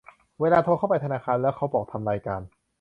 เวลาโทรเข้าไปธนาคารแล้วเขาบอก "ทำรายการ"